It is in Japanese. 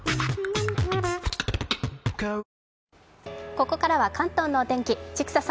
ここからは関東のお天気。